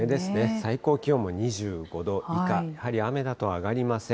最高気温も２５度以下、やはり雨だと上がりません。